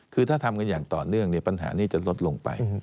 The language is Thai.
คือถ้าทำกันอย่างต่อเนื่องปัญหานี้จะลดลงไป